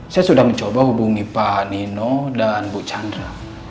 saya sudah mencoba hubungi pak nino dan bu chandra